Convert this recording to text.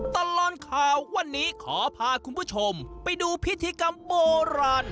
ตลอดข่าววันนี้ขอพาคุณผู้ชมไปดูพิธีกรรมโบราณ